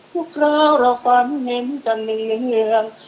พวกเราเราฝันเห็นกันหนึ่งเรื่อง